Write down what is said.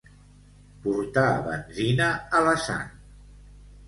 Portar benzina a la sang.